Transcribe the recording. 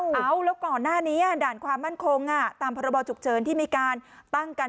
เอ้าแล้วก่อนหน้านี้ด่านความมั่นคงตามพรบฉุกเฉินที่มีการตั้งกัน